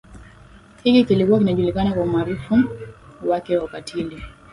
hiki kilikuwa kinajuliakana kwa umaarufu wake wa ukatili